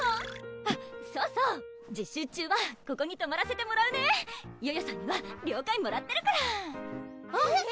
あっそうそう実習中はここにとまらせてもらうねヨヨさんには了解もらってるからえっ⁉